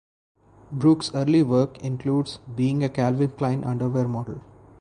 Brooks' early work includes being a Calvin Klein underwear model.